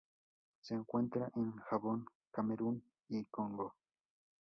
Se encuentra en Gabón, Camerún y Congo.